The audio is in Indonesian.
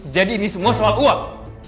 jadi ini semua soal uang